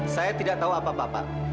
saya tidak tahu apa apa